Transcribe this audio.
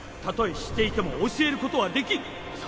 たとえ知っていても教えることはできん！